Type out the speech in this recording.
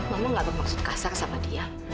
mama gak bermaksud kasar sama dia